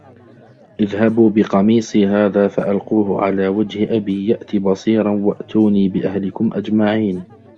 اذهبوا بقميصي هذا فألقوه على وجه أبي يأت بصيرا وأتوني بأهلكم أجمعين